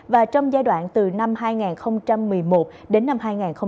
và trong giai đoạn từ năm hai nghìn một mươi một đến năm hai nghìn hai mươi